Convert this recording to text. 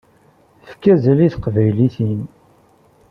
Efk azal i taqbaylit-im.